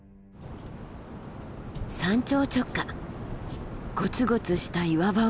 山頂直下ゴツゴツした岩場を登る。